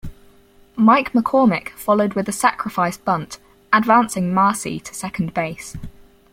Mike McCormick followed with a sacrifice bunt, advancing Masi to second base.